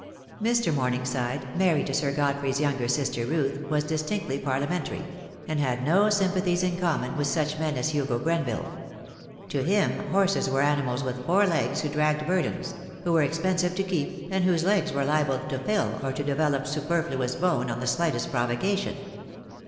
Mr. Morningside, married to Sir Godfrey's younger sister, Ruth, was distinctly Parliamentary; and had no sympathies in common with such men as Hugo Grenville. To him horses were animals with four legs who dragged burdens; who were expensive to keep, and whose legs were liable to "fill" or to develop superfluous bone on the slightest provocation.